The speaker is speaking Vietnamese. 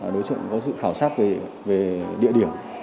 đối tượng có sự khảo sát về địa điểm